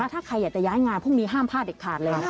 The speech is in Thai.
ถ้าใครอยากจะย้ายงานพรุ่งนี้ห้ามพลาดเด็ดขาดเลยนะคะ